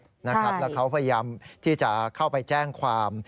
แล้วเขาพยายามที่จะเข้าไปแจ้งความ